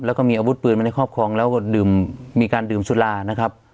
แล้วก็มีอาวุธปืนไว้ในครอบครองแล้วก็ดื่มมีการดื่มสุรานะครับ